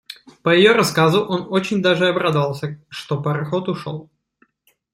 По ее рассказу, он очень даже обрадовался, что пароход ушел.